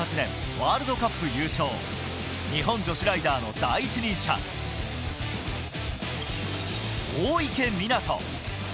ワールドカップ優勝、日本女子ライダーの第一人者、大池水杜。